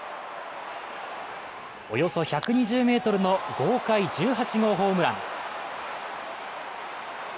およそ１２０ｍの豪快１８号ホームラン。